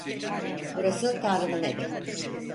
Burası Tanrı'nın evi.